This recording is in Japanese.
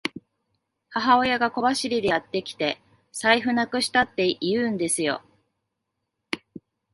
母親が小走りでやってきて、財布なくしたって言うんですよ。